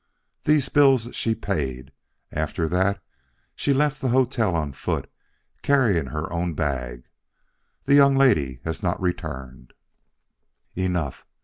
These bills she paid; after that she left the hotel on foot, carrying her own bag. The young lady has not returned " "Enough.